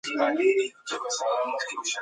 ښوونکي مخکې درس تیار کړی و.